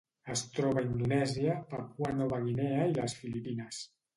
Es troba a Indonèsia, Papua Nova Guinea i les Filipines.